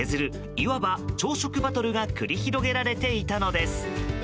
いわば朝食バトルが繰り広げられていたのです。